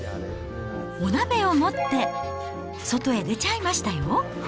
お鍋を持って外へ出ちゃいましたよ。